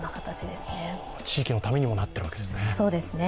地域のためにもなっているわけですね。